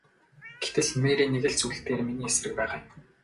Гэтэл Мэри нэг л зүйл дээр миний эсрэг байгаа юм.